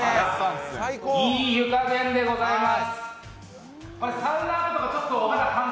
いい湯加減でございます。